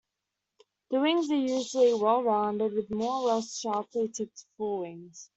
The wings are usually well-rounded with more or less sharply-tipped forewings.